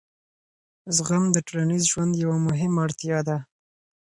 زغم د ټولنیز ژوند یوه مهمه اړتیا ده.